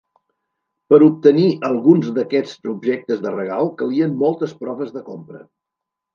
Per obtenir alguns d'aquests objectes de regal calien moltes proves de compra.